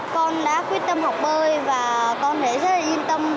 con đã quyết tâm học bơi và con thấy rất là yên tâm